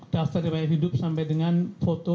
daftar riwaya hidup sampai dengan foto